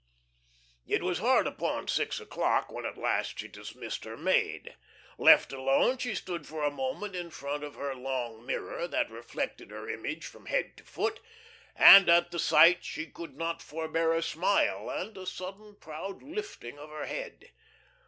It was hard upon six o'clock when at last she dismissed her maid. Left alone, she stood for a moment in front of her long mirror that reflected her image from head to foot, and at the sight she could not forbear a smile and a sudden proud lifting of her head.